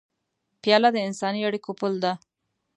پیاله د انساني اړیکو پُل ده.